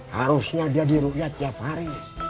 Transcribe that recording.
harusnya dia di ruia tiap hari